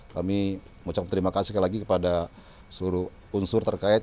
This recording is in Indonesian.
kami mengucapkan terima kasih sekali lagi kepada seluruh unsur terkait